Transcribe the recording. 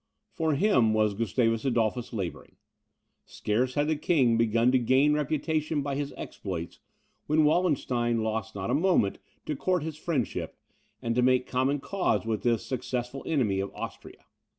For him was Gustavus Adolphus labouring. Scarce had the king begun to gain reputation by his exploits, when Wallenstein lost not a moment to court his friendship, and to make common cause with this successful enemy of Austria.